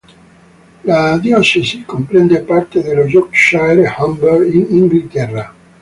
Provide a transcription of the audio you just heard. La diocesi comprende parte dello Yorkshire e Humber in Inghilterra.